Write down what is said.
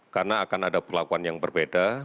karena akan ada perlakuan yang berbeda